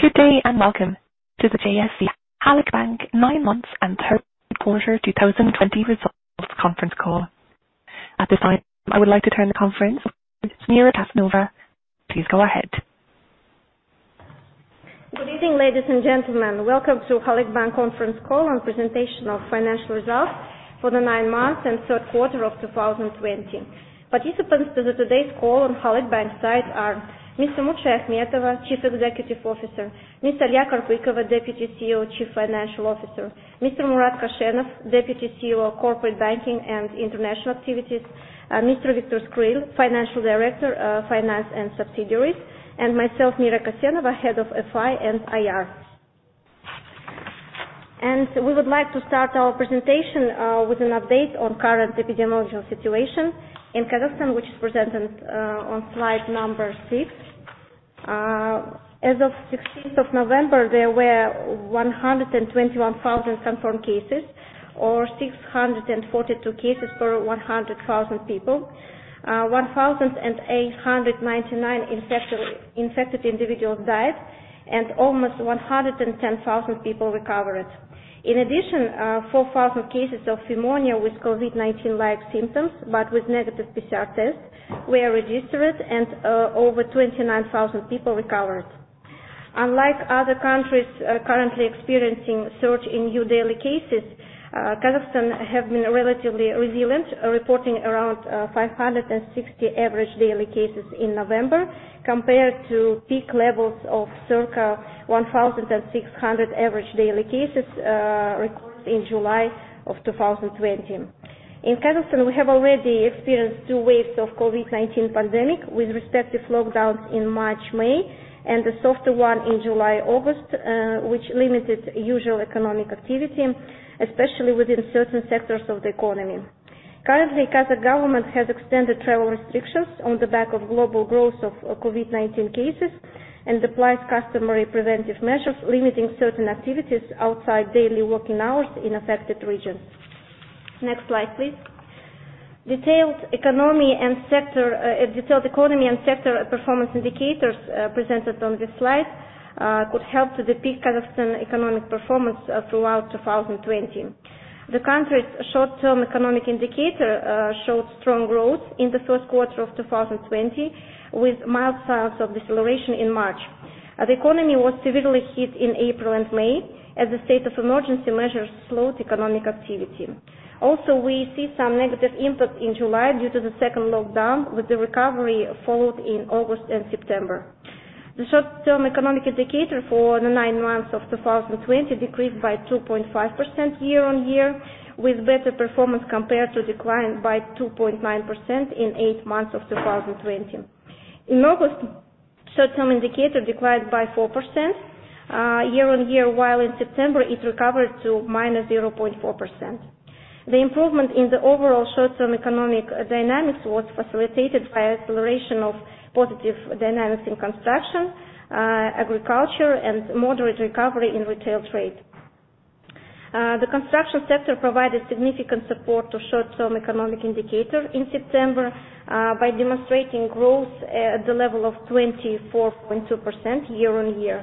Good day. Welcome to the JSC Halyk Bank nine months and third quarter 2020 results conference call. At this time, I would like to turn the conference over to Mira Kassenova. Please go ahead. Good evening, ladies and gentlemen. Welcome to Halyk Bank conference call and presentation of financial results for the nine months and third quarter of 2020. Participants to today's call on Halyk Bank side are Mr. Umut Shayakhmetova, Chief Executive Officer, Ms. Aliya Karpykova, Deputy CEO, Chief Financial Officer, Mr. Murat Koshenov, Deputy CEO, Corporate Banking and International Activities, Mr. Viktor Skryl, Financial Director of Finance and Subsidiaries, and myself, Mira Kassenova, Head of FI and IR. We would like to start our presentation with an update on current epidemiological situation in Kazakhstan, which is presented on slide number six. As of November 16th, there were 121,000 confirmed cases, or 642 cases per 100,000 people. 1,899 infected individuals died and almost 110,000 people recovered. In addition, 4,000 cases of pneumonia with COVID-19-like symptoms, but with negative PCR tests were registered and over 29,000 people recovered. Unlike other countries currently experiencing surge in new daily cases, Kazakhstan have been relatively resilient, reporting around 560 average daily cases in November, compared to peak levels of circa 1,600 average daily cases recorded in July of 2020. In Kazakhstan, we have already experienced two waves of COVID-19 pandemic with respective lockdowns in March, May, and a softer one in July, August, which limited usual economic activity, especially within certain sectors of the economy. Currently, Kazakh government has extended travel restrictions on the back of global growth of COVID-19 cases and applies customary preventive measures limiting certain activities outside daily working hours in affected regions. Next slide, please. Detailed economy and sector performance indicators presented on this slide could help to depict Kazakhstan economic performance throughout 2020. The country's short-term economic indicator showed strong growth in the first quarter of 2020 with mild signs of deceleration in March. The economy was severely hit in April and May as the state of emergency measures slowed economic activity. We see some negative input in July due to the second lockdown, with the recovery followed in August and September. The short-term economic indicator for the nine months of 2020 decreased by 2.5% year-on-year, with better performance compared to decline by 2.9% in eight months of 2020. In August, short-term indicator declined by 4% year-on-year, while in September, it recovered to -0.4%. The improvement in the overall short-term economic dynamics was facilitated by acceleration of positive dynamics in construction, agriculture, and moderate recovery in retail trade. The construction sector provided significant support to short-term economic indicator in September, by demonstrating growth at the level of 24.2% year-on-year.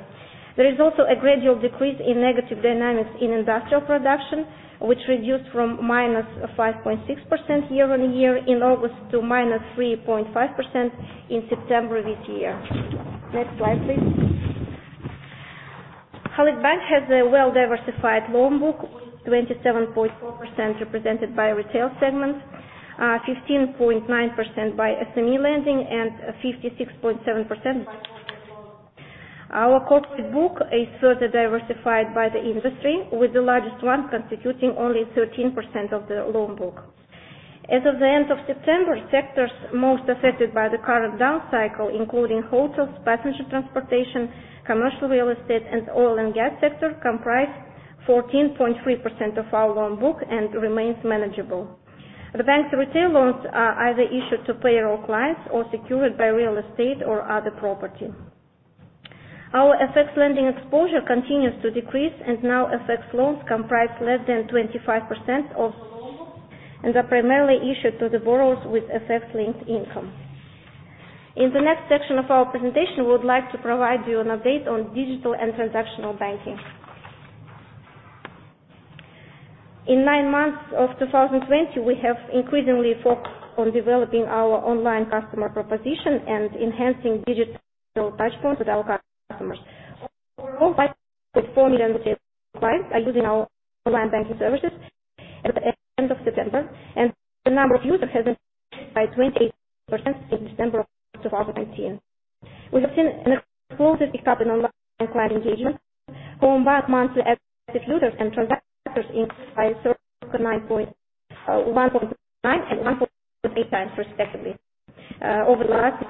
There is also a gradual decrease in negative dynamics in industrial production, which reduced from minus 5.6% year-on-year in August to -3.5% in September this year. Next slide, please. Halyk Bank has a well-diversified loan book, with 27.4% represented by retail segment, 15.9% by SME lending, and 56.7% by corporate loans. Our corporate book is further diversified by the industry, with the largest one constituting only 13% of the loan book. As of the end of September, sectors most affected by the current down cycle, including hotels, passenger transportation, commercial real estate, and oil and gas sector comprise 14.3% of our loan book and remains manageable. The bank's retail loans are either issued to payroll clients or secured by real estate or other property. Our FX lending exposure continues to decrease and now FX loans comprise less than 25% of the loan book and are primarily issued to the borrowers with FX-linked income. In the next section of our presentation, we would like to provide you an update on digital and transactional banking. In nine months of 2020, we have increasingly focused on developing our online customer proposition and enhancing digital touchpoints with our customers. Overall, 5.4 million retail clients are using our online banking services at the end of September, and the number of users has increased by 28% since December of 2019. We have seen an explosive pickup in online client engagement. Homebank monthly active users and transactions increased by circa 1.9 and 1.3 times respectively over the last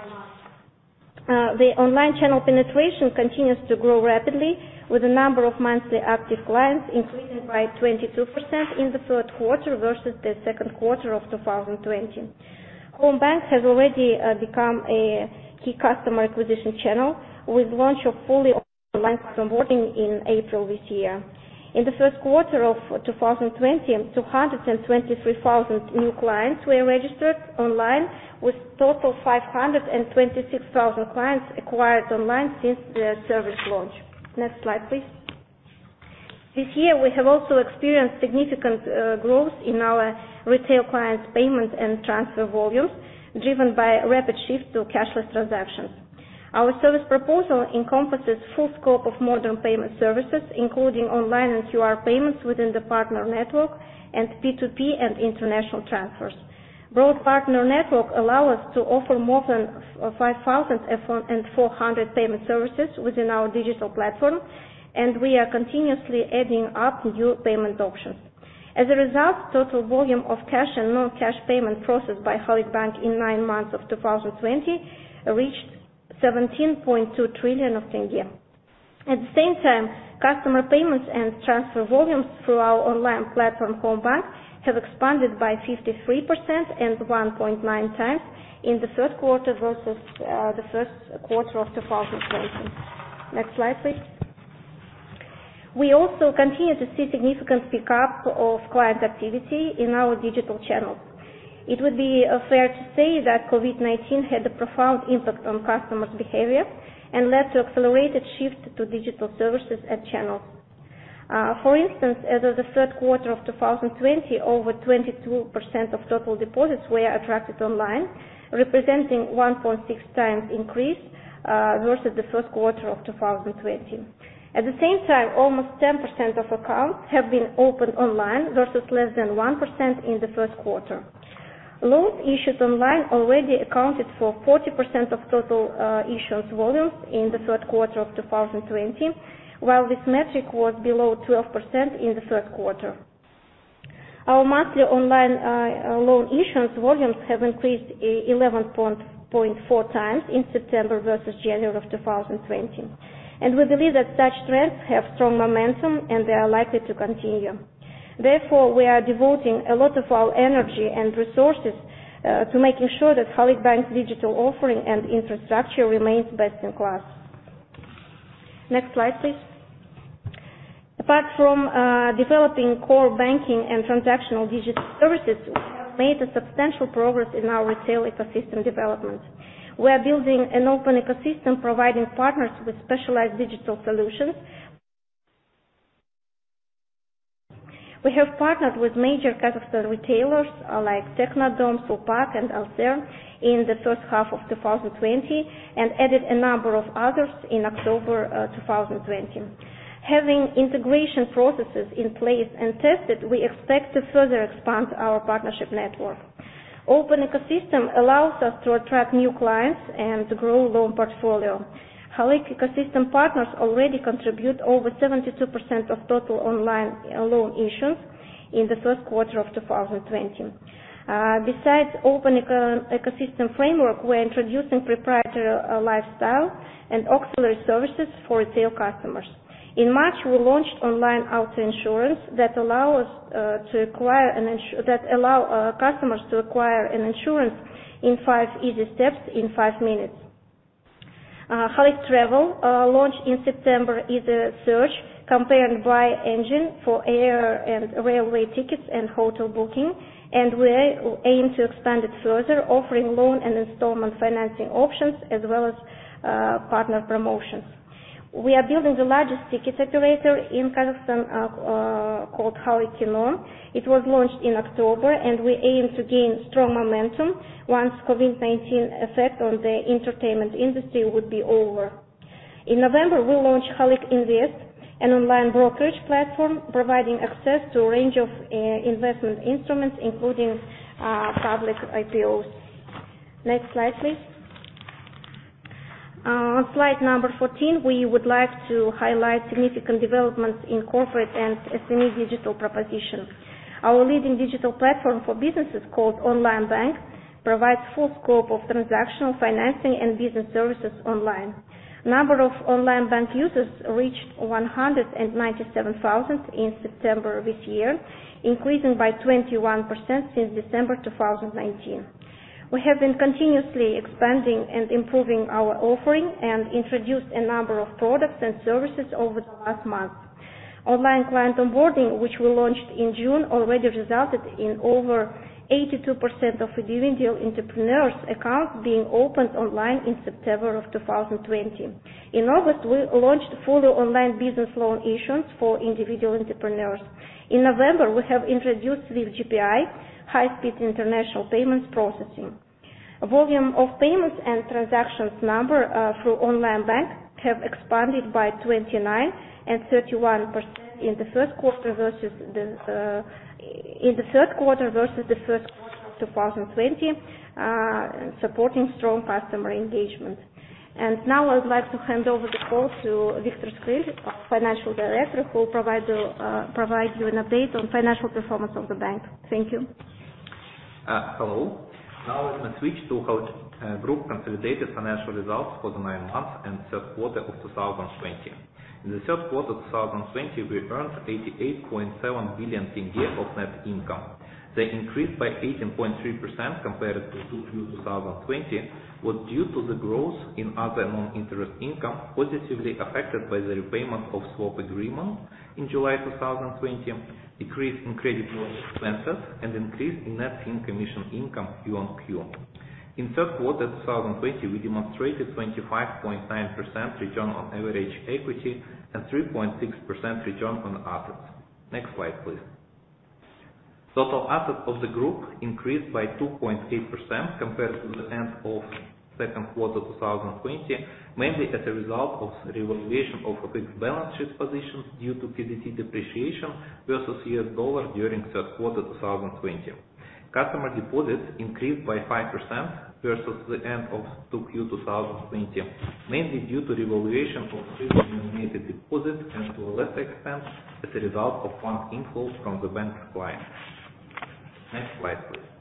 nine months. The online channel penetration continues to grow rapidly, with the number of monthly active clients increasing by 22% in the third quarter versus the second quarter of 2020. Homebank has already become a key customer acquisition channel with launch of fully online customer onboarding in April this year. In the third quarter of 2020, 223,000 new clients were registered online, with total 526,000 clients acquired online since the service launch. Next slide, please. This year, we have also experienced significant growth in our retail clients' payment and transfer volumes, driven by a rapid shift to cashless transactions. Our service proposal encompasses full scope of modern payment services, including online and QR payments within the partner network, and P2P and international transfers. Broad partner network allow us to offer more than 5,400 payment services within our digital platform, and we are continuously adding up new payment options. As a result, total volume of cash and non-cash payment processed by Halyk Bank in nine months of 2020 reached KZT 17.2 trillion. At the same time, customer payments and transfer volumes through our online platform, Homebank, have expanded by 53% and 1.9 times in the third quarter versus the first quarter of 2020. Next slide, please. We also continue to see significant pickup of client activity in our digital channels. It would be fair to say that COVID-19 had a profound impact on customers' behavior and led to accelerated shift to digital services and channels. For instance, as of the third quarter of 2020, over 22% of total deposits were attracted online, representing 1.6 times increase versus the first quarter of 2020. At the same time, almost 10% of accounts have been opened online versus less than 1% in the first quarter. Loans issued online already accounted for 40% of total issuance volumes in the third quarter of 2020, while this metric was below 12% in the first quarter. Our monthly online loan issuance volumes have increased 11.4 times in September versus January of 2020. We believe that such trends have strong momentum, and they are likely to continue. Therefore, we are devoting a lot of our energy and resources to making sure that Halyk Bank's digital offering and infrastructure remains best in class. Next slide, please. Apart from developing core banking and transactional digital services, we have made a substantial progress in our retail ecosystem development. We are building an open ecosystem providing partners with specialized digital solutions. We have partnered with major Kazakhstan retailers like Technodom, Sulpak, and Alser in the first half of 2020 and added a number of others in October 2020. Having integration processes in place and tested, we expect to further expand our partnership network. Open ecosystem allows us to attract new clients and grow loan portfolio. Halyk ecosystem partners already contribute over 72% of total online loan issuance in the first quarter of 2020. Besides open ecosystem framework, we're introducing proprietary lifestyle and auxiliary services for retail customers. In March, we launched online auto insurance that allow customers to acquire an insurance in five easy steps in five minutes. Halyk Travel, launched in September, is a search compare and buy engine for air and railway tickets and hotel booking, and we aim to expand it further, offering loan and installment financing options as well as partner promotions. We are building the largest ticket aggregator in Kazakhstan, called Halyk Kino. It was launched in October, we aim to gain strong momentum once COVID-19 effect on the entertainment industry would be over. In November, we launched Halyk Invest, an online brokerage platform providing access to a range of investment instruments, including public IPOs. Next slide, please. On slide number 14, we would like to highlight significant developments in corporate and SME digital proposition. Our leading digital platform for businesses called Onlinebank provides full scope of transactional financing and business services online. Number of Onlinebank users reached 197,000 in September this year, increasing by 21% since December 2019. We have been continuously expanding and improving our offering and introduced a number of products and services over the last month. Online client onboarding, which we launched in June, already resulted in over 82% of individual entrepreneurs accounts being opened online in September of 2020. In August, we launched full online business loan issuance for individual entrepreneurs. In November, we have introduced SWIFT GPI, high-speed international payments processing. Volume of payments and transactions number through Onlinebank have expanded by 29% and 31% in the third quarter versus the first quarter of 2020, supporting strong customer engagement. Now I would like to hand over the call to Viktor Skryl, our Financial Director, who will provide you an update on financial performance of the bank. Thank you. Hello. Now we can switch to Halyk Group consolidated financial results for the nine months and third quarter of 2020. In the third quarter of 2020, we earned KZT 88.7 billion of net income. The increase by 18.3% compared to Q2 2020 was due to the growth in other non-interest income positively affected by the repayment of swap agreement in July 2020, decrease in credit losses expenses, and increase in net fee and commission income quarter-on-quarter. In third quarter 2020, we demonstrated 25.9% return on average equity and 3.6% return on assets. Next slide, please. Total assets of the Group increased by 2.8% compared to the end of second quarter 2020, mainly as a result of revaluation of fixed balance sheet positions due to KZT depreciation versus U.S. dollar during third quarter 2020. Customer deposits increased by 5% versus the end of 2Q 2020, mainly due to revaluation of tenge-denominated deposits and to a lesser extent, as a result of fund inflows from the bank's clients. Next slide, please.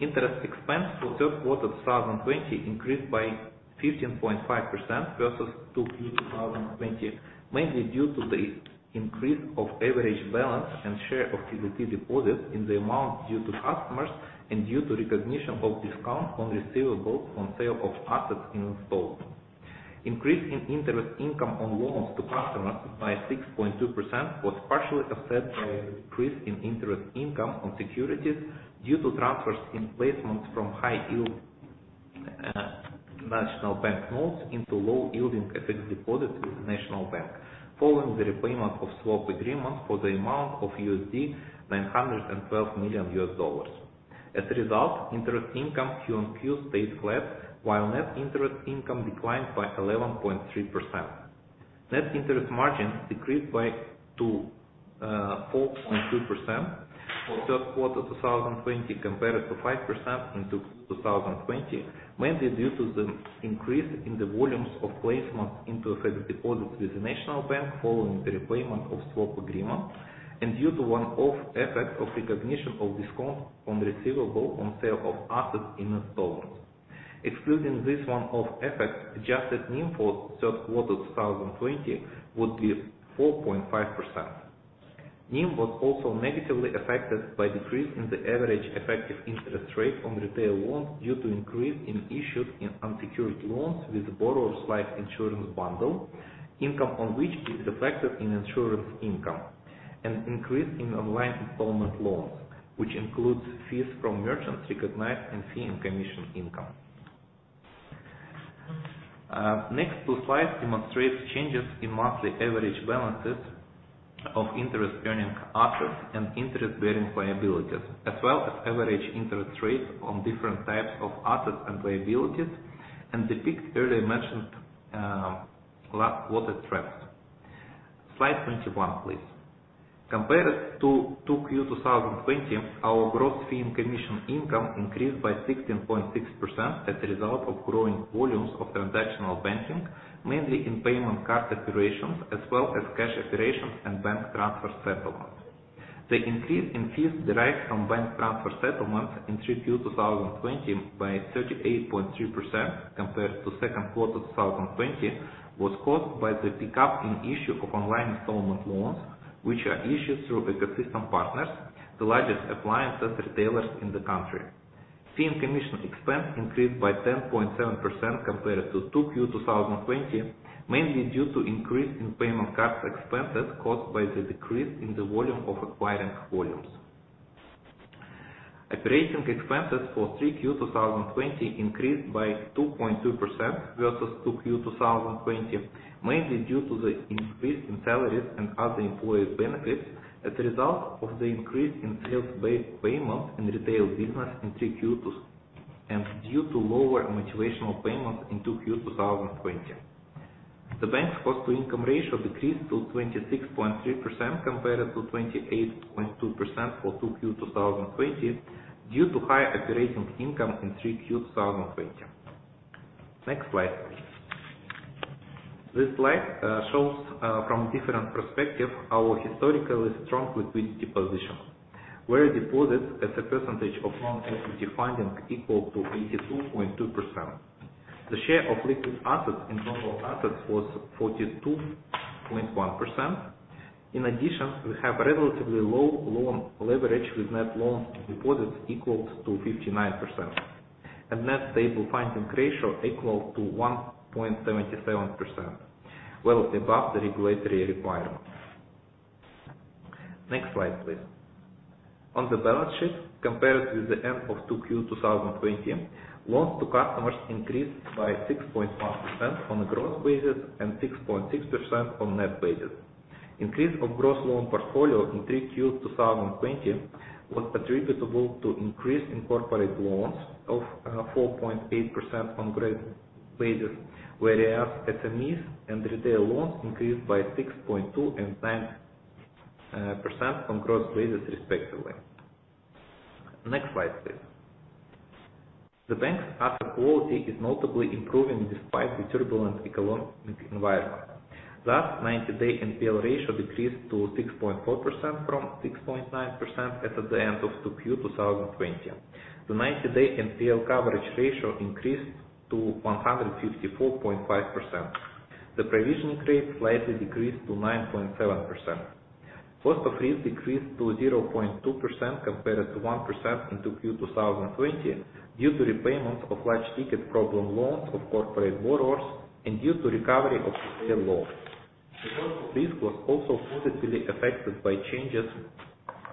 Interest expense for third quarter 2020 increased by 15.5% versus 2Q 2020, mainly due to the increase of average balance and share of KZT deposits in the amount due to customers and due to recognition of discount on receivables on sale of assets installed. Increase in interest income on loans to customers by 6.2% was partially offset by an increase in interest income on securities due to transfers in placements from high yield National Bank notes into low yielding FX deposits with National Bank following the repayment of swap agreements for the amount of $912 million. As a result, interest income Q-on-Q stayed flat while net interest income declined by 11.3%. Net interest margin decreased to 4.3% for third quarter 2020 compared to 5% in 2Q 2020, mainly due to the increase in the volumes of placements into FX deposits with the National Bank following the repayment of swap agreement and due to one-off effects of recognition of discount on receivable on sale of assets installed. Excluding this one-off effect, adjusted NIM for third quarter 2020 would be 4.5%. NIM was also negatively affected by decrease in the average effective interest rate on retail loans due to increase in issued in unsecured loans with borrower's life insurance bundle, income on which is reflected in insurance income, and increase in online installment loans, which includes fees from merchants recognized in fee and commission income. Next two slides demonstrate changes in monthly average balances of interest-earning assets and interest-bearing liabilities, as well as average interest rates on different types of assets and liabilities and depict earlier mentioned quarter trends. Slide 21, please. Compared to 2Q 2020, our gross fee and commission income increased by 16.6% as a result of growing volumes of transactional banking, mainly in payment card operations as well as cash operations and bank transfer settlements. The increase in fees derived from bank transfer settlements in 3Q 2020 by 38.3% compared to second quarter 2020 was caused by the pickup in issue of online installment loans, which are issued through ecosystem partners, the largest appliance and retailers in the country. Fee and commission expense increased by 10.7% compared to 2Q 2020, mainly due to increase in payment cards expenses caused by the decrease in the volume of acquiring volumes. Operating expenses for 3Q 2020 increased by 2.2% versus 2Q 2020, mainly due to the increase in salaries and other employee benefits as a result of the increase in sales-based payments in retail business in 3Q and due to lower motivational payments in 2Q 2020. The bank's cost-to-income ratio decreased to 26.3% compared to 28.2% for 2Q 2020 due to higher operating income in 3Q 2020. Next slide, please. This slide shows from different perspective our historically strong liquidity position, where deposits as a percentage of non-equity funding equal to 82.2%. The share of liquid assets in total assets was 42.1%. In addition, we have relatively low loan leverage with net loans to deposits equals to 59%, and net stable funding ratio equal to 1.77%, well above the regulatory requirement. Next slide, please. On the balance sheet, compared with the end of 2Q 2020, loans to customers increased by 6.1% on a gross basis and 6.6% on net basis. Increase of gross loan portfolio in 3Q 2020 was attributable to increase in corporate loans of 4.8% on gross basis, whereas SMEs and retail loans increased by 6.2% and 9% on gross basis respectively. Next slide, please. The bank's asset quality is notably improving despite the turbulent economic environment. Thus, 90-day NPL ratio decreased to 6.4% from 6.9% as at the end of 2Q 2020. The 90-day NPL coverage ratio increased to 154.5%. The provisioning rate slightly decreased to 9.7%. Cost of risk decreased to 0.2% compared to 1% in 2Q 2020 due to repayment of large ticket problem loans of corporate borrowers and due to recovery of retail loans. The cost of risk was also positively affected by changes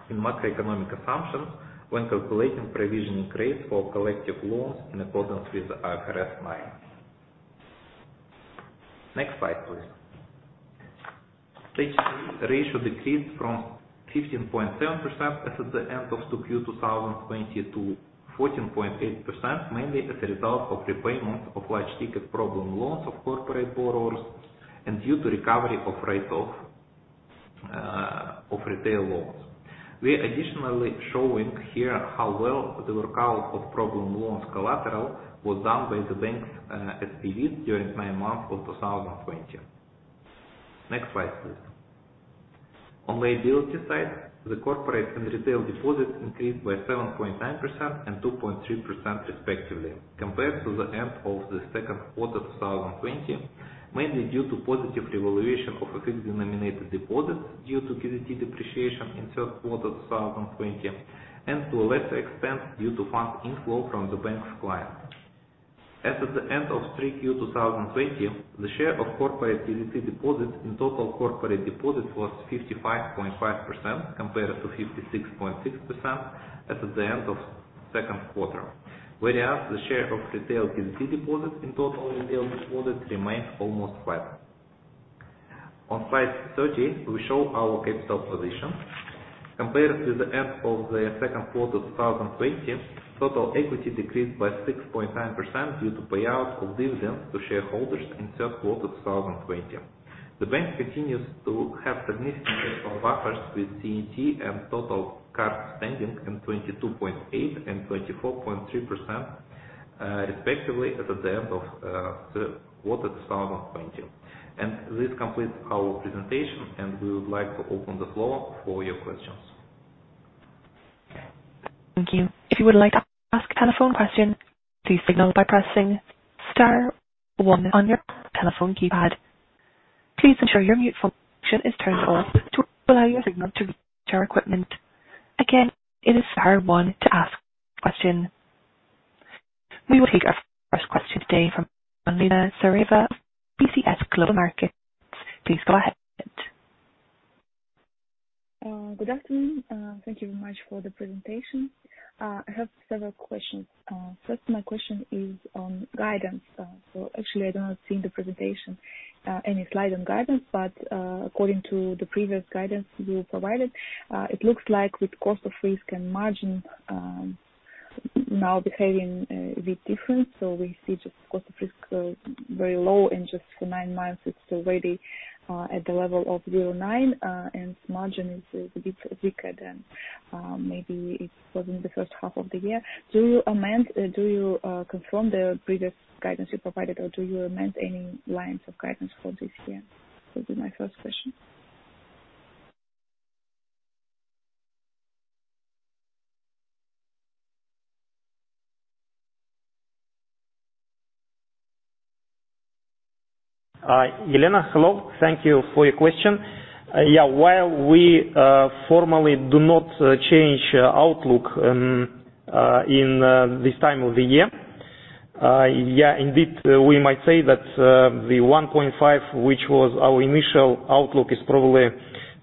in macroeconomic assumptions when calculating provisioning rates for collective loans in accordance with IFRS 9. Next slide, please. Stage 2 ratio decreased from 15.7% as at the end of 2Q 2020 to 14.8%, mainly as a result of repayment of large ticket problem loans of corporate borrowers and due to recovery of write-off of retail loans. We are additionally showing here how well the workout of problem loans collateral was done by the bank's SPV during nine months of 2020. Next slide, please. On the liability side, the corporate and retail deposits increased by 7.9% and 2.3% respectively, compared to the end of the second quarter 2020, mainly due to positive revaluation of a fixed denominated deposit due to KZT depreciation in third quarter 2020, and to a lesser extent, due to fund inflow from the bank's clients. As at the end of 3Q 2020, the share of corporate KZT deposits in total corporate deposits was 55.5%, compared to 56.6% as at the end of second quarter. The share of retail KZT deposits in total retail deposits remains almost flat. On slide 30, we show our capital position. Compared to the end of the second quarter 2020, total equity decreased by 6.9% due to payout of dividends to shareholders in third quarter 2020. The bank continues to have sufficient capital buffers with CET and total cap standing in 22.8% and 24.3% respectively, as at the end of third quarter 2020. This completes our presentation, and we would like to open the floor for your questions. Thank you. If you would like to ask a telephone question, please signal by pressing star one on your telephone keypad. Please ensure your mute function is turned off to allow your signal to reach our equipment. Again, it is star one to ask question. We will take our first question today from Elena Tsareva, BCS Global Markets. Please go ahead. Good afternoon. Thank you very much for the presentation. I have several questions. First, my question is on guidance. Actually, I do not see in the presentation any slide on guidance. But according to the previous guidance you provided, it looks like with cost of risk and margin now behaving a bit different. We see just cost of risk very low and just for nine months it's already at the level of 0.9%, and margin is a bit weaker than maybe it was in the first half of the year. Do you confirm the previous guidance you provided, or do you amend any lines of guidance for this year? This is my first question. Elena, hello. Thank you for your question. Yeah. While we formally do not change outlook in this time of the year, indeed, we might say that the 1.5%, which was our initial outlook, is probably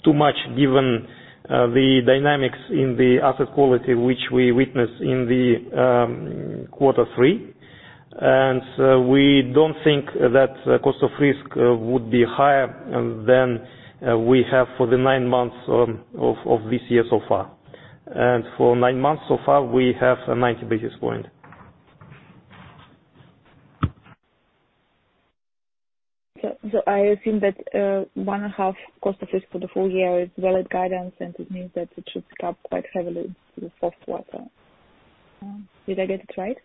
too much given the dynamics in the asset quality which we witness in the quarter three. We don't think that cost of risk would be higher than we have for the nine months of this year so far. For nine months so far, we have 90 basis points. I assume that 1.5% cost of risk for the full year is valid guidance, and it means that it should pick up quite heavily in the fourth quarter. Did I get it right?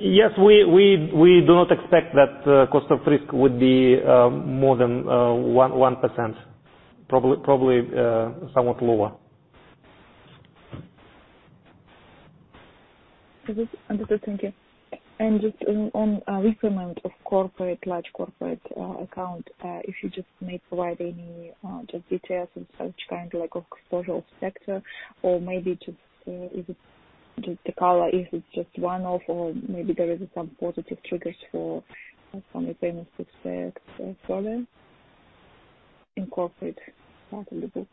Yes. We do not expect that cost of risk would be more than 1%. Probably somewhat lower. Understood. Thank you. Just on repayment of large corporate account, if you just may provide any details on such kind, like of social sector, or maybe just the color, if it's just one-off or maybe there are some positive triggers for some repayments going forward in corporate part of the book?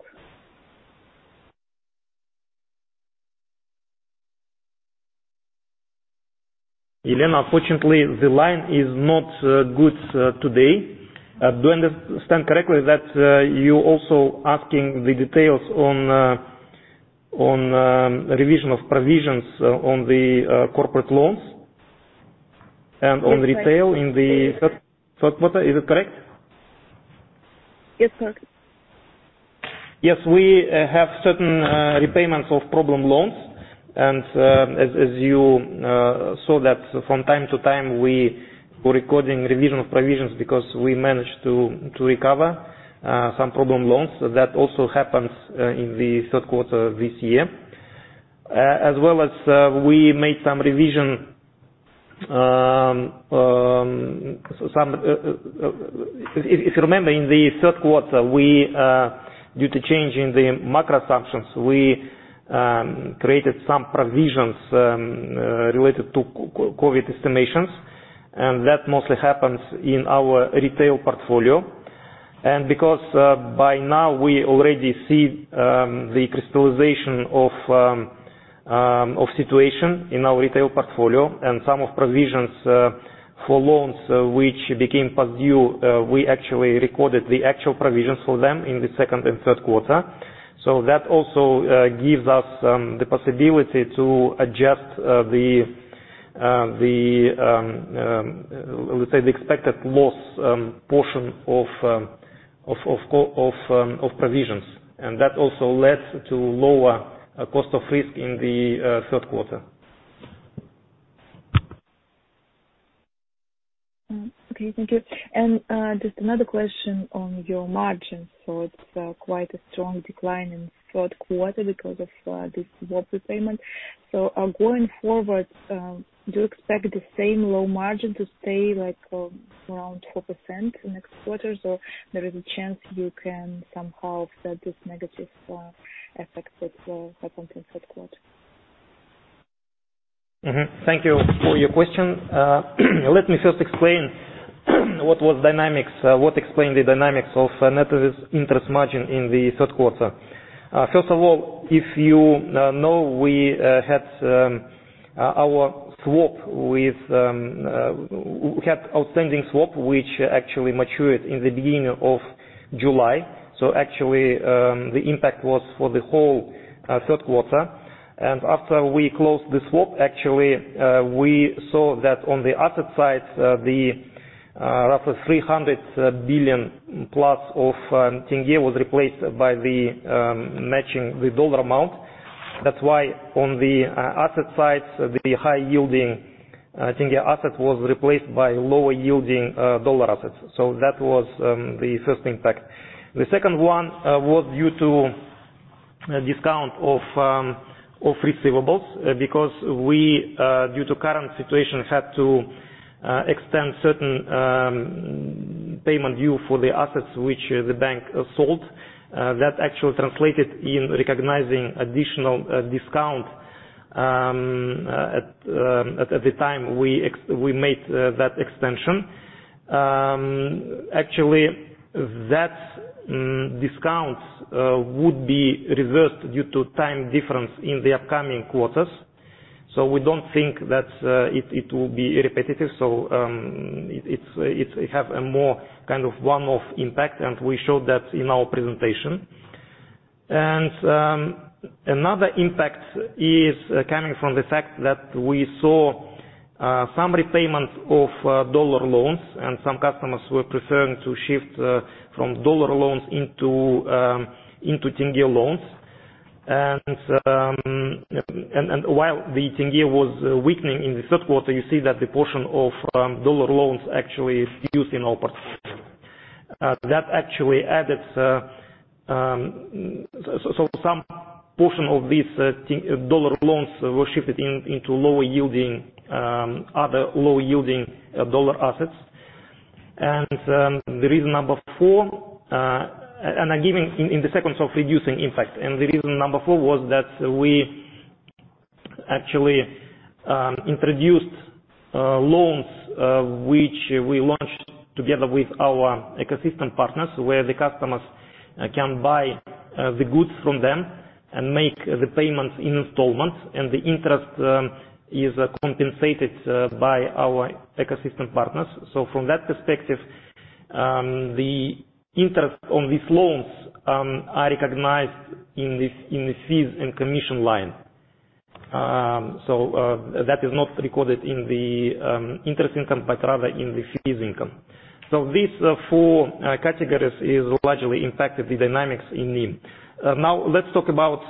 Elena, unfortunately the line is not good today. Do I understand correctly that you're also asking the details on revision of provisions on the corporate loans and on retail in the third quarter? Is it correct? Yes, correct. Yes, we have certain repayments of problem loans. As you saw that from time-to-time, we were recording revision of provisions because we managed to recover some problem loans. That also happens in the third quarter this year. As well as we made some revision. If you remember, in the third quarter, due to change in the macro assumptions, we created some provisions related to COVID-19 estimations. That mostly happens in our retail portfolio. Because by now we already see the crystallization of situation in our retail portfolio and some of provisions for loans which became past due, we actually recorded the actual provisions for them in the second and third quarter. That also gives us the possibility to adjust the, let's say, the expected loss portion of provisions. That also led to lower cost of risk in the third quarter. Okay. Thank you. Just another question on your margin. It's quite a strong decline in third quarter because of this swap repayment. Going forward, do you expect the same low margin to stay like around 4% in next quarter? There is a chance you can somehow offset this negative effect that happened in third quarter? Thank you for your question. Let me first explain what explained the dynamics of net interest margin in the third quarter. First of all, if you know we had outstanding swap, which actually matured in the beginning of July. Actually, the impact was for the whole third quarter. After we closed the swap, actually, we saw that on the asset side, the roughly KZT 300+ billion was replaced by the matching the dollar amount. That's why on the asset side, the high yielding tenge asset was replaced by lower yielding dollar assets. That was the first impact. The second one was due to discount of receivables because we, due to current situation, had to extend certain payment due for the assets which the bank sold. That actually translated in recognizing additional discount at the time we made that extension. Actually, that discount would be reversed due to time difference in the upcoming quarters. We don't think that it will be repetitive. It have a more kind of one-off impact, and we showed that in our presentation. Another impact is coming from the fact that we saw some repayment of dollar loans and some customers were preferring to shift from dollar loans into tenge loans. While the tenge was weakening in the third quarter, you see that the portion of dollar loans actually is reduced in our portfolio. Some portion of these dollar loans were shifted into other lower yielding dollar assets. I give in the sequence of reducing impact. The reason number four was that we actually introduced loans, which we launched together with our ecosystem partners, where the customers can buy the goods from them and make the payments in installments and the interest is compensated by our ecosystem partners. From that perspective, the interest on these loans are recognized in the fees and commission line. That is not recorded in the interest income, but rather in the fees income. These four categories is largely impacted the dynamics in NIM. Now, let's talk about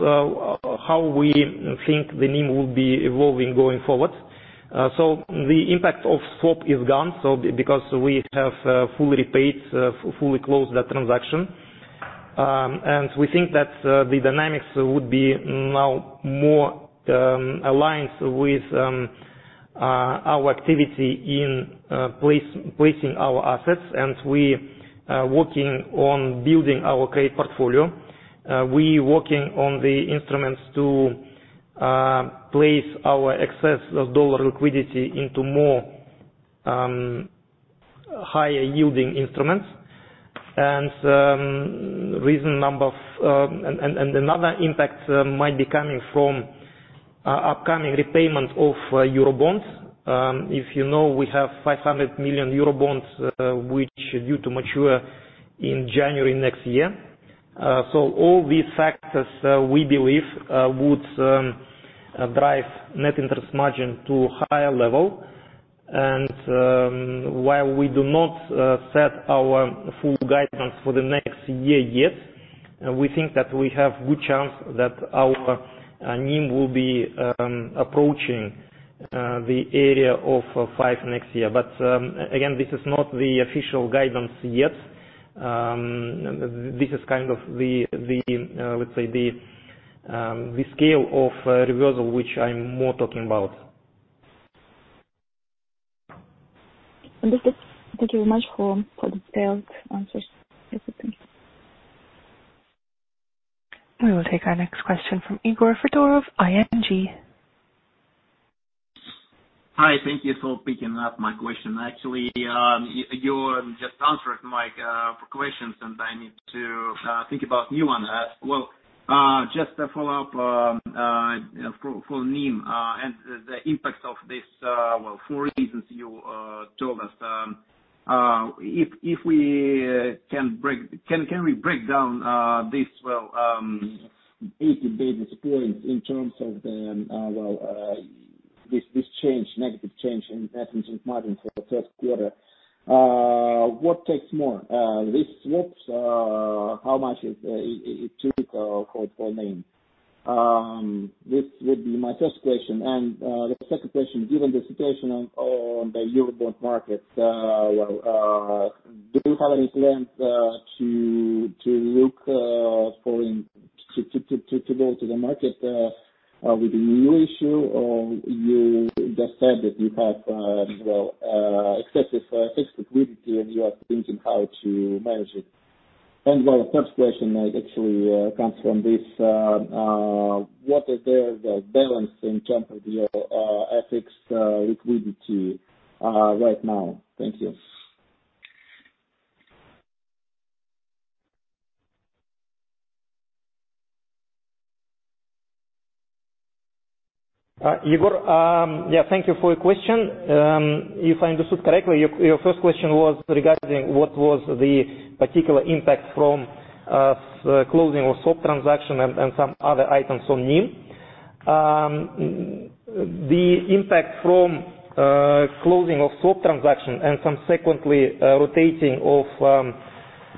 how we think the NIM will be evolving going forward. The impact of swap is gone because we have fully closed that transaction. We think that the dynamics would be now more aligned with our activity in placing our assets and we are working on building our credit portfolio. We are working on the instruments to place our excess dollar liquidity into more higher yielding instruments. Another impact might be coming from upcoming repayment of Eurobonds. If you know we have $500 million Eurobonds, which are due to mature in January next year. All these factors, we believe, would drive net interest margin to higher level. While we do not set our full guidance for the next year yet, we think that we have good chance that our NIM will be approaching the area of 5% next year. Again, this is not the official guidance yet. This is kind of the scale of reversal which I'm more talking about. Understood. Thank you very much for the detailed answers. Yes, thank you. We will take our next question from Egor Fedorov, ING. Hi. Thank you for picking up my question. Actually, you just answered my questions, and I need to think about new one. Well, just a follow-up for NIM and the impact of these four reasons you told us. Can we break down these 80 basis points in terms of this negative change in net interest margin for the first quarter? What takes more? These swaps, how much is it typical for NIM? This would be my first question. The second question, given the situation on the Eurobond market, do you have any plans to go to the market with a new issue? You just said that you have excessive fixed liquidity, and you are thinking how to manage it. Well, first question actually comes from this, what is the balance in terms of your excess liquidity right now? Thank you. Egor, thank you for your question. If I understood correctly, your first question was regarding what was the particular impact from closing of swap transaction and some other items on NIM. The impact from closing of swap transaction and subsequently rotating of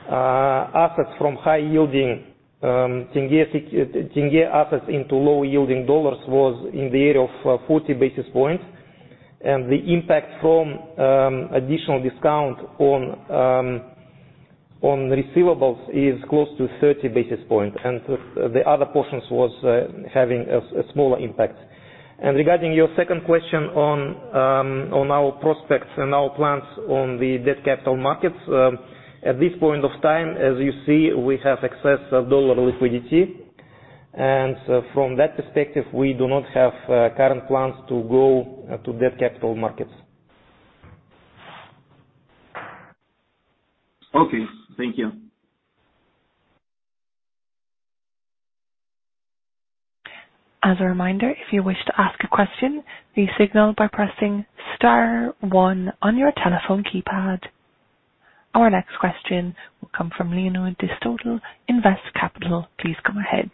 assets from high yielding tenge assets into low yielding dollars was in the area of 40 basis points. The impact from additional discount on receivables is close to 30 basis points. The other portions was having a smaller impact. Regarding your second question on our prospects and our plans on the debt capital markets, at this point of time, as you see, we have excess dollar liquidity, and from that perspective, we do not have current plans to go to debt capital markets. Okay. Thank you. As a reminder, if you wish to ask a question, please signal by pressing star one on your telephone keypad. Our next question will come from [Leonid Distotle], InvestCapital. Please come ahead.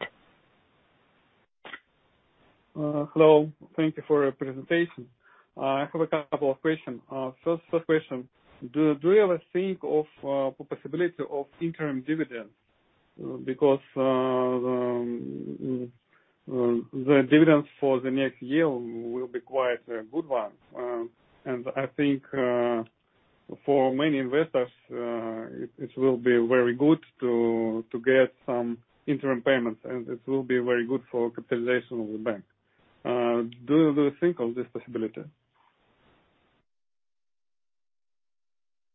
Hello. Thank you for your presentation. I have a couple of questions. First question, do you ever think of possibility of interim dividends? The dividends for the next year will be quite a good one. I think for many investors, it will be very good to get some interim payments, and it will be very good for capitalization of the bank. Do you think of this possibility?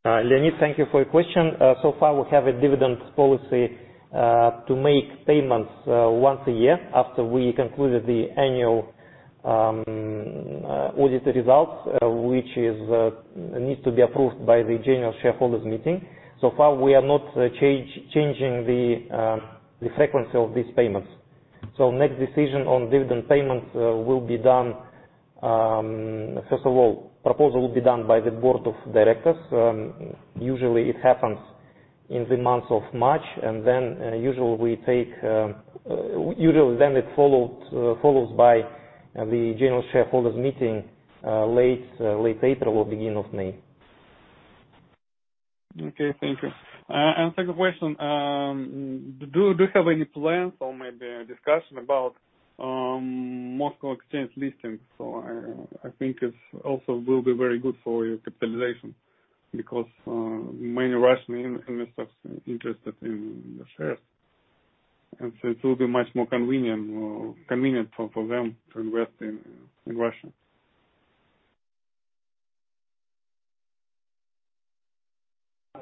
[Leonid], thank you for your question. So far, we have a dividend policy to make payments once a year after we concluded the annual audited results, which needs to be approved by the general shareholders meeting. Far, we are not changing the frequency of these payments. Next decision on dividend payments, first of all, proposal will be done by the Board of Directors. Usually, it happens in the month of March, and then usually then it follows by the general shareholders meeting late April or beginning of May. Okay, thank you. Second question, do you have any plans or maybe a discussion about Moscow Exchange listing? I think it also will be very good for your capitalization because many Russian investors are interested in your shares, it will be much more convenient for them to invest in Russia.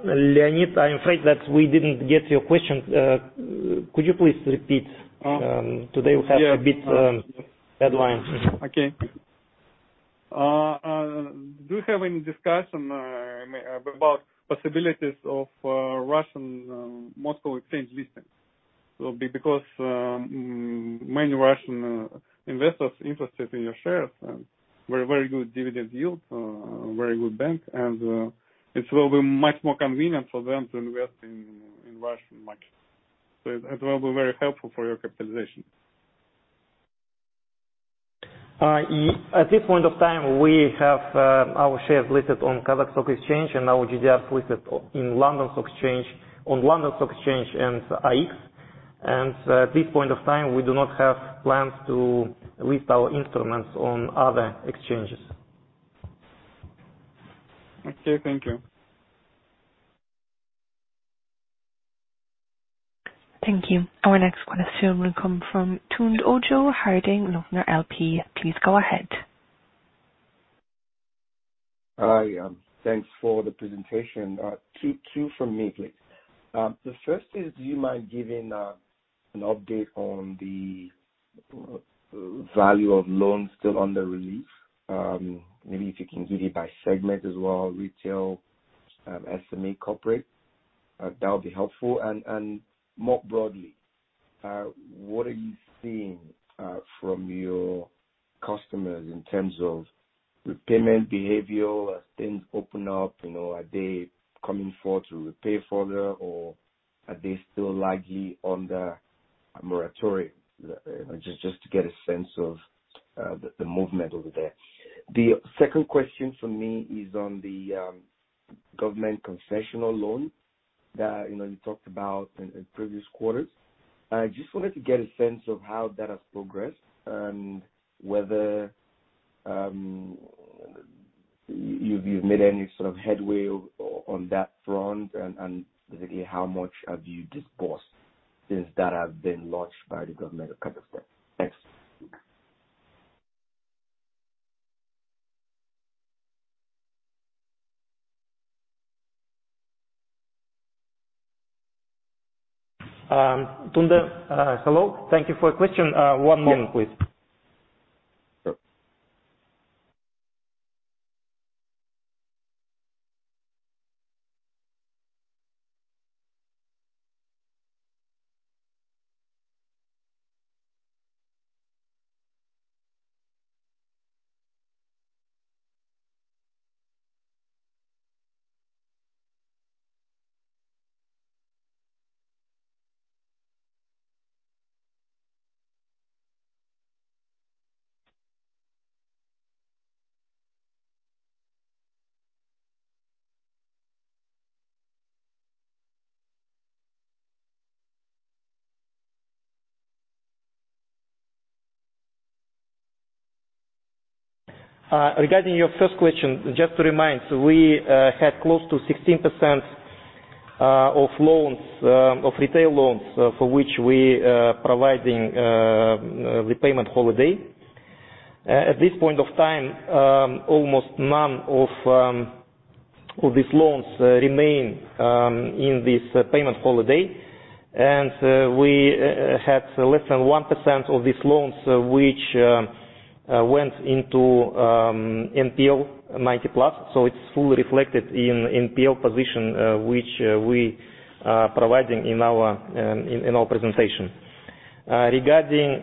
[Leonid], I'm afraid that we didn't get your question. Could you please repeat? Today we have a bit dead line. Okay. Do you have any discussion about possibilities of Russian Moscow Exchange listing? Many Russian investors interested in your shares and very good dividend yield, very good bank, and it will be much more convenient for them to invest in Russian market. It will be very helpful for your capitalization. At this point of time, we have our shares listed on Kazakhstan Stock Exchange and our GDRs listed on London Stock Exchange and AIX. At this point of time, we do not have plans to list our instruments on other exchanges. Okay, thank you. Thank you. Our next question will come from Tunde Ojo, Harding Loevner LP. Please go ahead. Hi. Thanks for the presentation. Two from me, please. The first is, do you mind giving an update on the value of loans still under relief? Maybe if you can give it by segment as well, retail, SME, corporate. That would be helpful. More broadly, what are you seeing from your customers in terms of repayment behavior as things open up? Are they coming forward to repay further or are they still largely under a moratorium? Just to get a sense of the movement over there. The second question from me is on the government concessional loan that you talked about in previous quarters. I just wanted to get a sense of how that has progressed and whether you've made any sort of headway on that front and, basically, how much have you disbursed since that has been launched by the government of Kazakhstan? Thanks. Tunde, hello. Thank you for your question. One moment, please. Regarding your first question, just to remind, we had close to 16% of retail loans for which we provided repayment holiday. At this point of time, almost none of these loans remain in this payment holiday. We had less than 1% of these loans which went into NPL 90+, so it's fully reflected in NPL position, which we are providing in our presentation. Regarding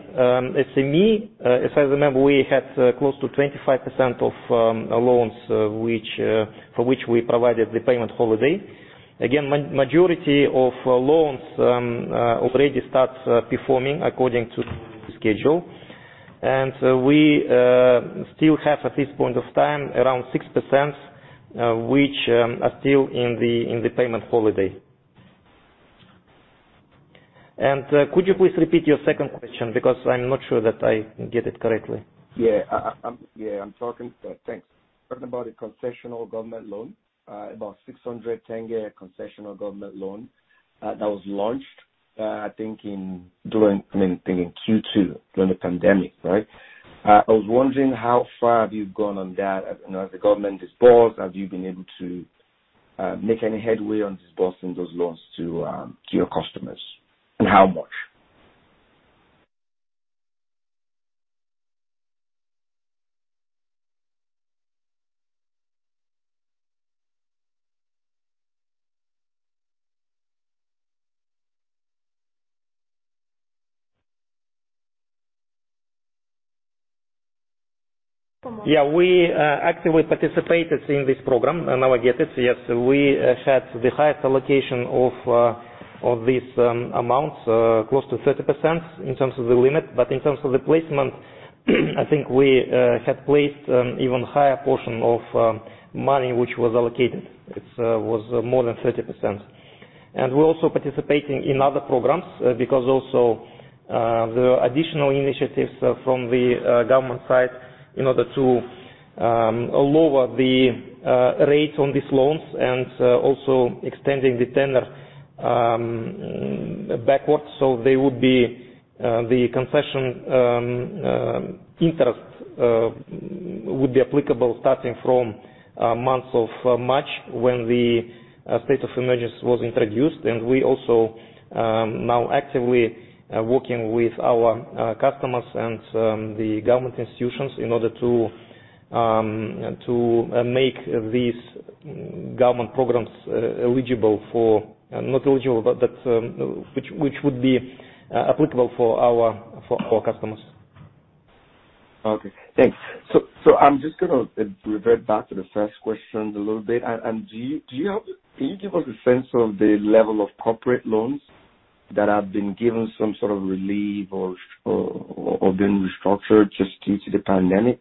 SME, as I remember, we had close to 25% of loans for which we provided the payment holiday. Again, majority of loans already start performing according to schedule. We still have, at this point of time, around 6% which are still in the payment holiday. Could you please repeat your second question? Because I'm not sure that I get it correctly. Yeah. Thanks. Talking about the concessional government loan, about KZT 600 billion concessional government loan that was launched, I think in Q2, during the pandemic. Right? I was wondering how far have you gone on that. Has the government disbursed? Have you been able to make any headway on disbursing those loans to your customers, and how much? Yeah. We actively participated in this program. Now I get it. Yes, we had the highest allocation of these amounts, close to 30%, in terms of the limit. In terms of the placement, I think we have placed even higher portion of money which was allocated. It was more than 30%. We're also participating in other programs because also there are additional initiatives from the government side in order to lower the rates on these loans and also extending the tenure backwards. They would be the concession interest would be applicable starting from months of March when the state of emergency was introduced. We also now actively working with our customers and the government institutions in order to make these government programs which would be applicable for our customers. Okay, thanks. I'm just going to revert back to the first question a little bit. Can you give us a sense of the level of corporate loans that have been given some sort of relief or been restructured just due to the pandemic?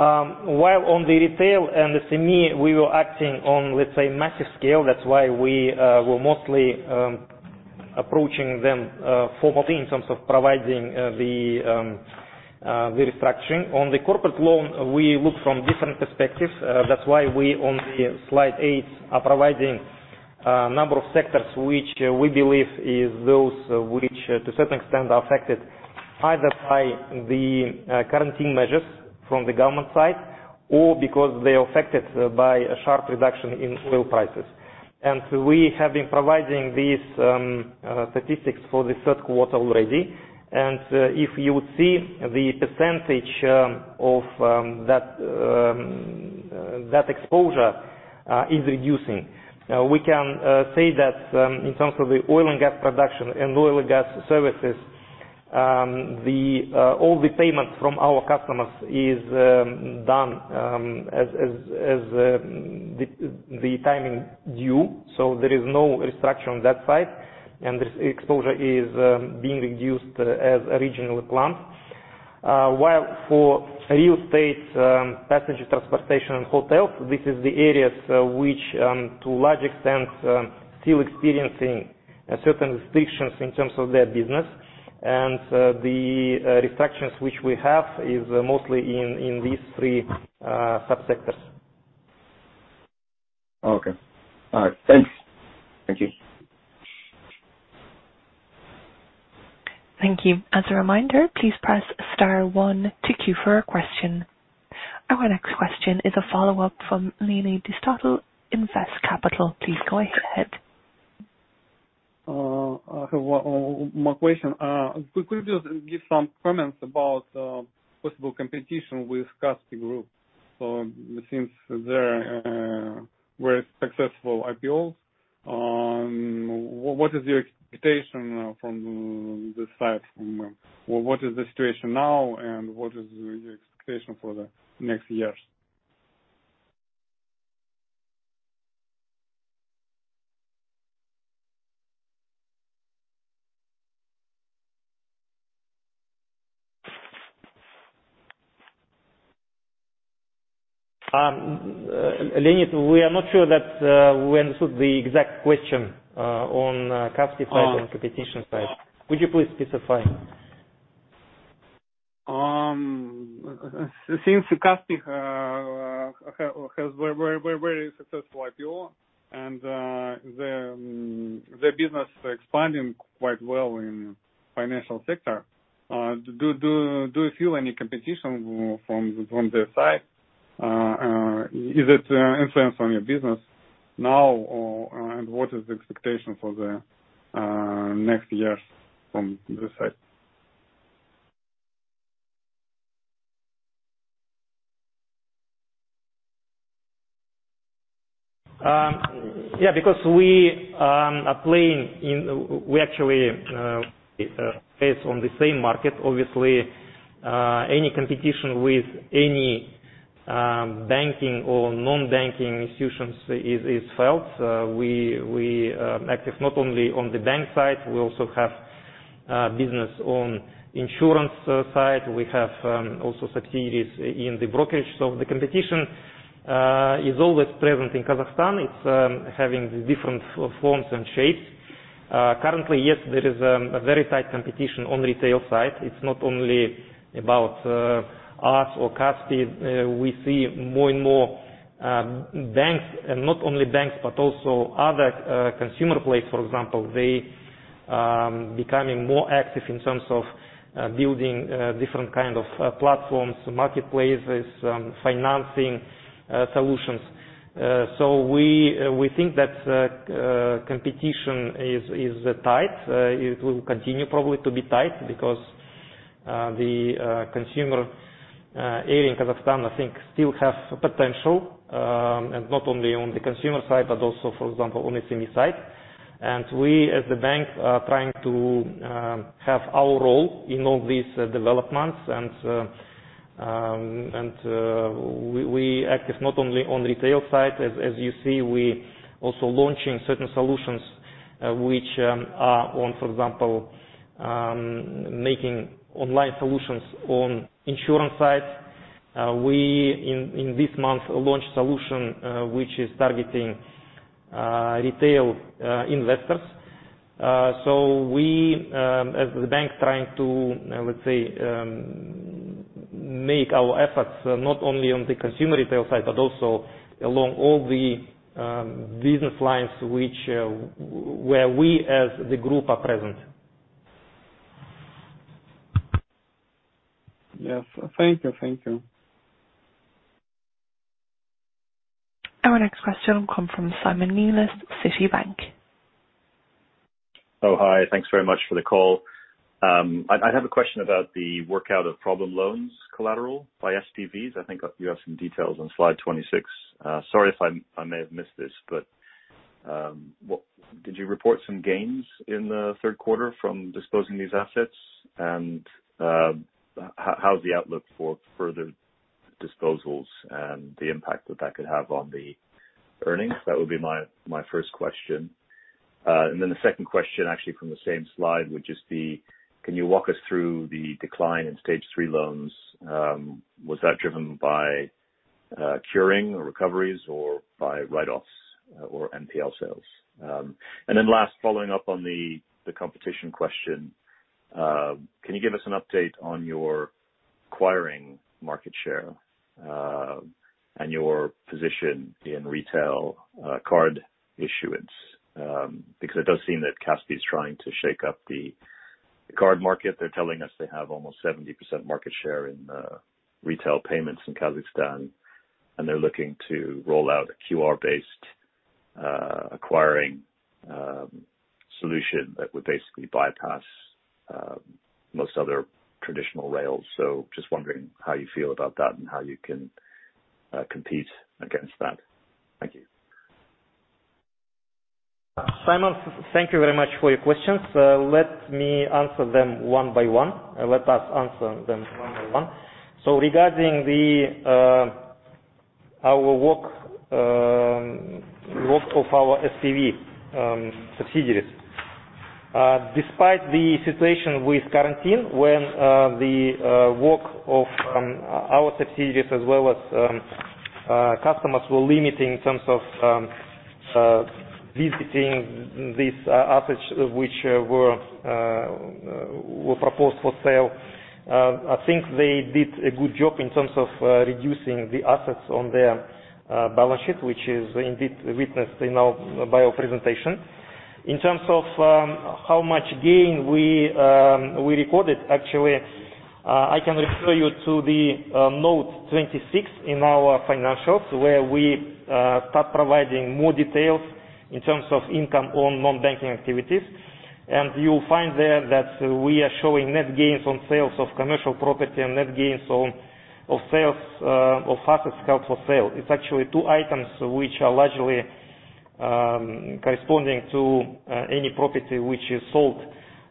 While on the retail and the SME, we were acting on, let's say, massive scale. We were mostly approaching them formally in terms of providing the restructuring. On the corporate loan, we look from different perspectives. We, on slide eight, are providing a number of sectors, which we believe is those which, to a certain extent, are affected either by the quarantine measures from the government side or because they are affected by a sharp reduction in oil prices. We have been providing these statistics for the third quarter already. If you would see the percentage of that exposure is reducing. We can say that in terms of the oil and gas production and oil and gas services, all the payment from our customers is done as the timing due. There is no restructure on that side, and this exposure is being reduced as originally planned. While for real estate, passenger transportation, and hotels, this is the areas which, to a large extent, still experiencing certain restrictions in terms of their business. The restructures which we have is mostly in these three sub-sectors. Okay. All right. Thanks. Thank you. Thank you. As a reminder, please press star one to queue for a question. Our next question is a follow-up from [Leonid Distotle], InvestCapital. Please go ahead. I have one more question. Could you just give some comments about possible competition with Kaspi Group? It seems they're very successful IPOs. What is your expectation from this side? What is the situation now, and what is your expectation for the next years? [Leonid], we are not sure that we understood the exact question on Kaspi side on competition side. Could you please specify? Since Kaspi has very successful IPO and their business expanding quite well in financial sector, do you feel any competition from their side? Is it influence on your business now, or what is the expectation for the next years from this side? Yeah, because we actually face on the same market. Obviously, any competition with any banking or non-banking institutions is felt. We active not only on the bank side, we also have business on insurance side. We have also subsidiaries in the brokerage. The competition is always present in Kazakhstan. It's having different forms and shapes. Currently, yes, there is a very tight competition on retail side. It's not only about us or Kaspi. We see more and more banks, and not only banks but also other consumer players, for example, they becoming more active in terms of building different kind of platforms, marketplaces, financing solutions. We think that competition is tight. It will continue probably to be tight because the consumer area in Kazakhstan, I think, still have potential, and not only on the consumer side, but also, for example, on the SME side. We, as the bank, are trying to have our role in all these developments. We active not only on retail side, as you see, we also launching certain solutions, which are on, for example, making online solutions on insurance side. We, in this month, launched solution which is targeting retail investors. We, as the bank, trying to, let's say, make our efforts not only on the consumer retail side but also along all the business lines where we as the group are present. Yes. Thank you. Our next question will come from Simon Nellis, Citibank. Hi. Thanks very much for the call. I have a question about the workout of problem loans collateral by SPVs. I think you have some details on slide 26. Sorry if I may have missed this, did you report some gains in the third quarter from disposing these assets? How's the outlook for further disposals and the impact that could have on the earnings? That would be my first question. The second question, actually from the same slide, would just be, can you walk us through the decline in Stage 3 loans? Was that driven by curing or recoveries or by write-offs or NPL sales? Last, following up on the competition question, can you give us an update on your acquiring market share and your position in retail card issuance? It does seem that Kaspi is trying to shake up the card market. They're telling us they have almost 70% market share in retail payments in Kazakhstan, they're looking to roll out a QR-based acquiring solution that would basically bypass most other traditional rails. I am just wondering how you feel about that and how you can compete against that. Thank you. Simon, thank you very much for your questions. Let us answer them one-by-one. Regarding the work of our SPV subsidiaries. Despite the situation with quarantine, when the work of our subsidiaries as well as customers were limited in terms of visiting these assets, which were proposed for sale, I think they did a good job in terms of reducing the assets on their balance sheet, which is indeed witnessed in our IR presentation. In terms of how much gain we recorded, actually, I can refer you to the Note 26 in our financials, where we start providing more details in terms of income on non-banking activities. You'll find there that we are showing net gains on sales of commercial property and net gains on sales of assets held for sale. It's actually two items which are largely corresponding to any property which is sold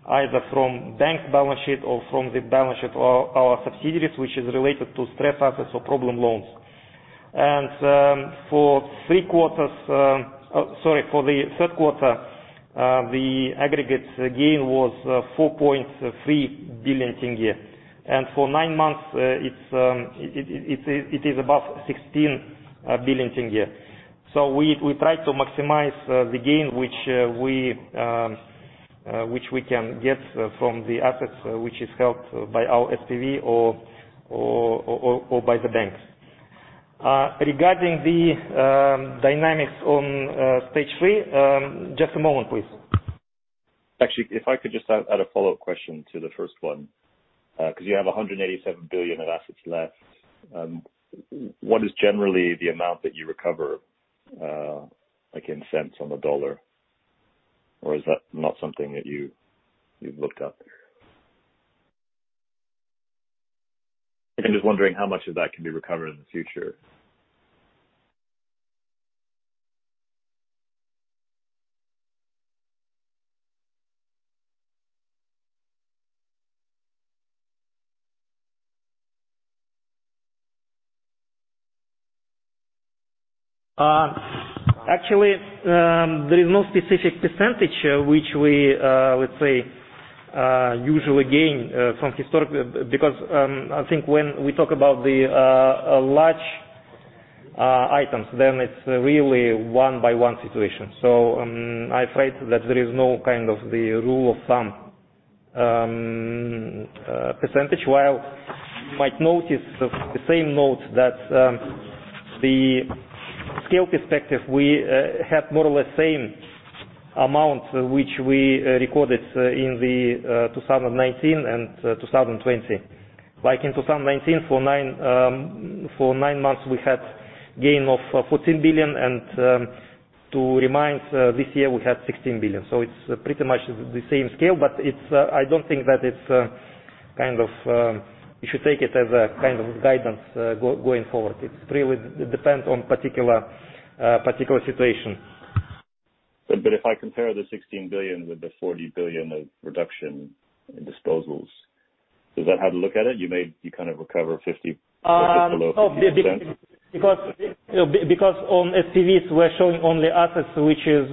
either from bank balance sheet or from the balance sheet of our subsidiaries, which is related to stress assets or problem loans. For the third quarter, the aggregate gain was KZT 4.3 billion. For nine months, it is above KZT 16 billion. We try to maximize the gain which we can get from the assets which is held by our SPV or by the banks. Regarding the dynamics on Stage 3, just a moment, please. Actually, if I could just add a follow-up question to the first one, because you have KZT 187 billion of assets left. What is generally the amount that you recover, like in cents on the dollar? Or is that not something that you've looked at there? I'm just wondering how much of that can be recovered in the future? Actually, there is no specific percentage which we would say usually gain from historical, because I think when we talk about the large items, then it's really a one-by-one situation. I'm afraid that there is no kind of the rule of thumb percentage. You might notice the same note that the scale perspective, we had more or less same amount which we recorded in the 2019 and 2020. Like in 2019, for nine months, we had gain of KZT 14 billion, and to remind, this year we had KZT 16 billion. It's pretty much the same scale, but I don't think that you should take it as a kind of guidance going forward. It really depends on particular situation. If I compare the KZT 16 billion with the KZT 40 billion of reduction in disposals, is that how to look at it? You kind of recover 50% or just below 50%? Because on SPVs, we're showing only assets which is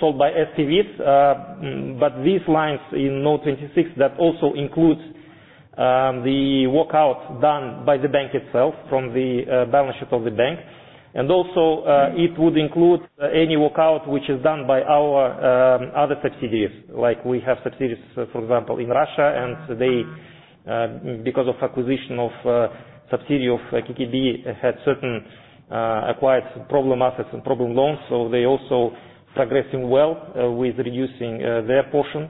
sold by SPVs. These lines in Note 26, that also includes the workout done by the bank itself from the balance sheet of the bank. It would include any workout which is done by our other subsidiaries. Like we have subsidiaries, for example, in Russia, and because of acquisition of a subsidiary of KKB had certain acquired problem assets and problem loans. They're also progressing well with reducing their portion.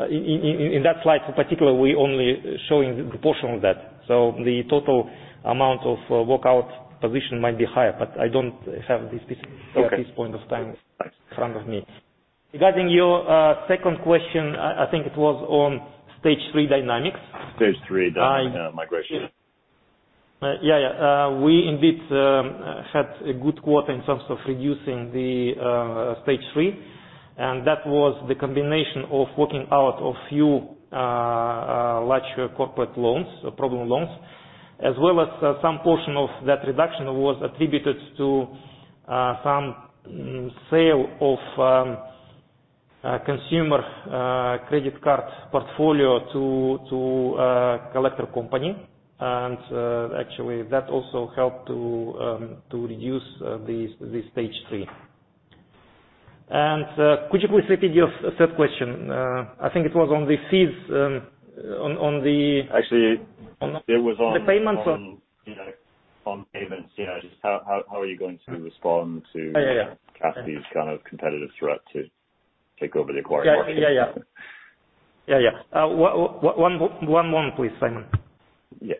In that slide, particularly, we're only showing the proportion of that. The total amount of workout position might be higher, but I don't have this specific at this point of time in front of me. Regarding your second question, I think it was on Stage 3 dynamics? Stage 3 dynamics, yeah, migration. Yeah. We indeed had a good quarter in terms of reducing the Stage 3. That was the combination of working out a few large corporate loans or problem loans, as well as some portion of that reduction was attributed to some sale of consumer credit card portfolio to collector company. Actually, that also helped to reduce the Stage 3. Could you please repeat your third question? I think it was on the fees, on the- Actually, it was- ...the payments. ...on payments, yeah. Just how are you going to respond to- Yeah ...Kaspi's kind of competitive threat to take over the acquiring market? Yeah. One moment please, Simon. Yeah.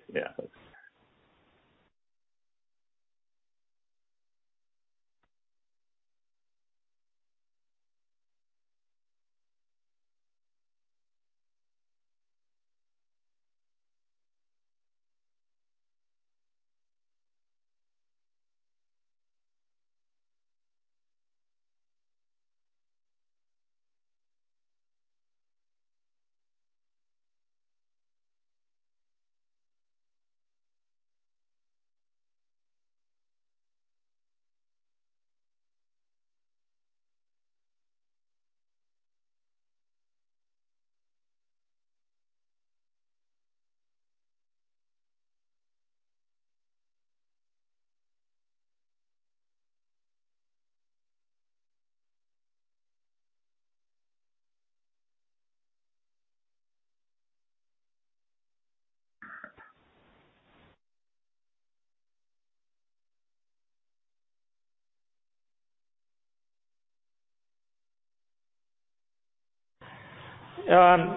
Thanks.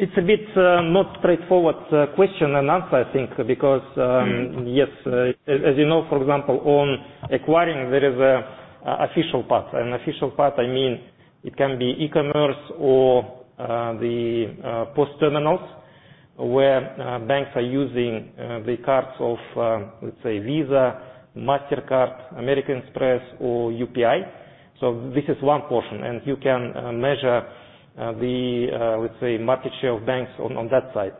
It's a bit not straightforward question-and-answer, I think, because yes, as you know, for example, on acquiring, there is official part. Official part, I mean, it can be e-commerce or the POS terminals where banks are using the cards of, let's say, Visa, Mastercard, American Express, or UPI. This is one portion, and you can measure the, let's say, market share of banks on that side.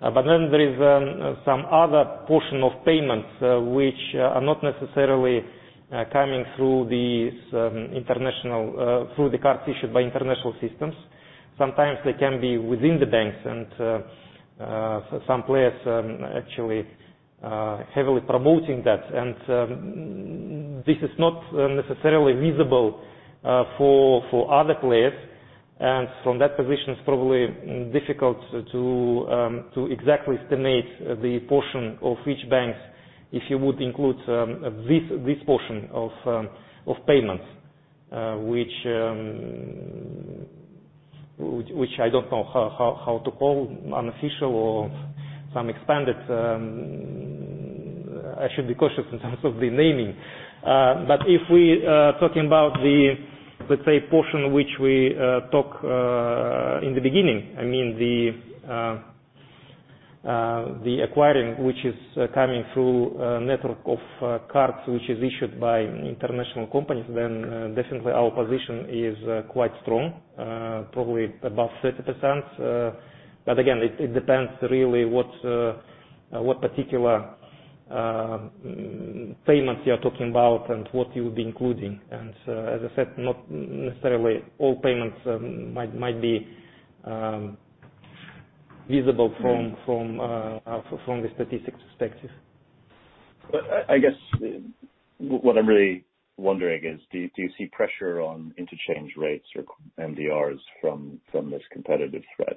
There is some other portion of payments which are not necessarily coming through the cards issued by international systems. Sometimes they can be within the banks and some players actually heavily promoting that. This is not necessarily visible for other players. From that position, it's probably difficult to exactly estimate the portion of which banks if you would include this portion of payments, which I don't know how to call unofficial or some expanded. I should be cautious in terms of the naming. If we talking about the, let's say, portion which we talk in the beginning, I mean, the acquiring which is coming through a network of cards, which is issued by international companies, then definitely our position is quite strong, probably above 30%. Again, it depends really what particular payments you're talking about and what you'll be including. As I said, not necessarily all payments might be visible from the statistics perspective. I guess what I'm really wondering is do you see pressure on interchange rates or MDRs from this competitive threat?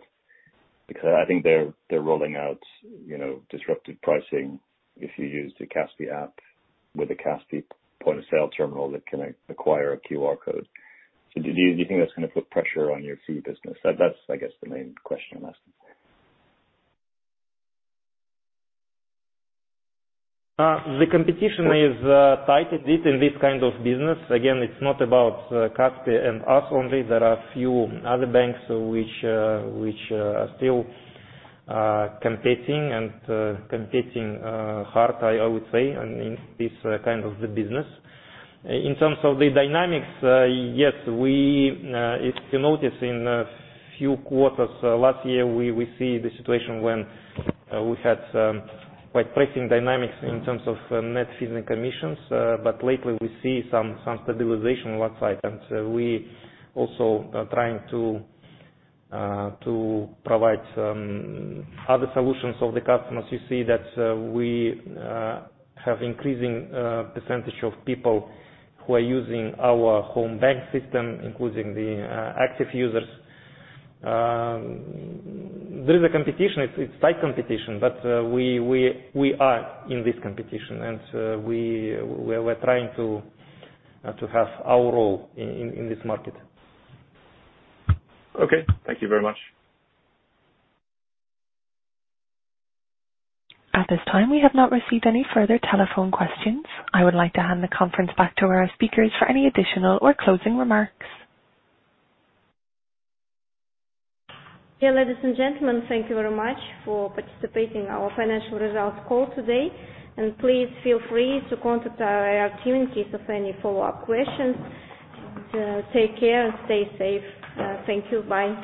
I think they're rolling out disruptive pricing if you use the Kaspi app with a Kaspi point of sale terminal that can acquire a QR code. Do you think that's going to put pressure on your fee business? That's, I guess the main question I'm asking. The competition is tight indeed in this kind of business. Again, it's not about Kaspi and us only. There are few other banks which are still competing and competing hard, I would say, in this kind of the business. In terms of the dynamics, yes, if you notice in a few quarters last year, we see the situation when we had quite pricing dynamics in terms of net fees and commissions. Lately, we see some stabilization on that side, and we also are trying to provide some other solutions of the customers. You see that we have increasing percentage of people who are using our Homebank system, including the active users. There is a competition. It's tight competition, but we are in this competition, and we're trying to have our role in this market. Okay. Thank you very much. At this time, we have not received any further telephone questions. I would like to hand the conference back to our speakers for any additional or closing remarks. Ladies and gentlemen, thank you very much for participating our financial results call today. Please feel free to contact our team in case of any follow-up questions. Take care and stay safe. Thank you. Bye.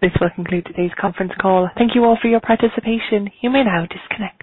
This will conclude today's conference call. Thank you all for your participation. You may now disconnect.